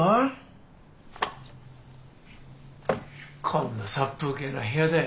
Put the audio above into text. こんな殺風景な部屋で。